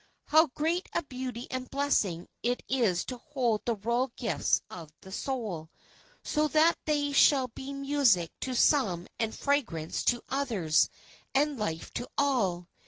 How great a beauty and blessing it is to hold the royal gifts of the soul, so that they shall be music to some and fragrance to others, and life to all!